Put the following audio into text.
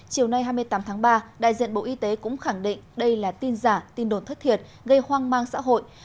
chiều nay hai mươi tám tháng ba đại diện bộ y tế cũng khẳng định đây là tin giả tin đồn thất thiệt gây hoang mang xã hội